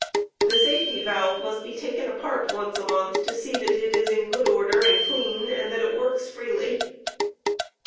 The safety valve must be taken apart once a month, to see that ifc is in good order and clean, and that it works freely.